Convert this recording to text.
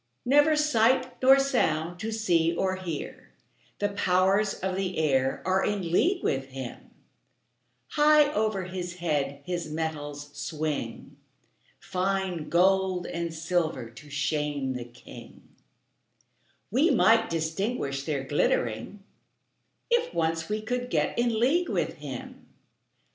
Never sight nor sound to see or hear; The powers of the air are in league with him; High over his head his metals swing, Fine gold and silver to shame the king; We might distinguish their glittering, If once we could get in league with him.